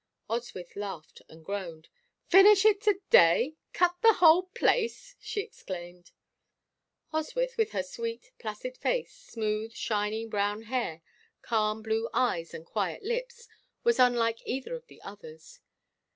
Oswyth laughed and groaned. "Finish it to day! Cut the whole place!" she exclaimed. Oswyth, with her sweet, placid face, smooth, shining brown hair, calm blue eyes and quiet lips, was unlike either of the others.